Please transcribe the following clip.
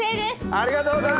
ありがとうございます。